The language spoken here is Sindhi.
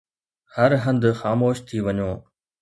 هر هنڌ خاموش ٿي وڃو.